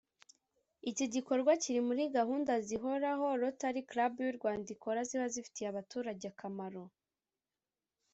Iki gikorwa kiri muri gahunda zihoraho Rotary Club y’u Rwanda ikora ziba zifitiye abaturage akamaro